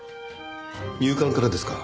入管からですか？